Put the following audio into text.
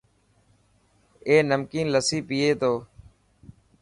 اي نمڪين لسي پئي تو.